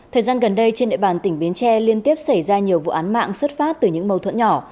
thời gian gần đây trên địa bàn tỉnh bến tre liên tiếp xảy ra nhiều vụ án mạng xuất phát từ những mâu thuẫn nhỏ